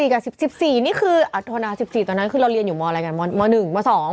กับ๑๔นี่คืออัธนา๑๔ตอนนั้นคือเราเรียนอยู่มอะไรกันม๑ม๒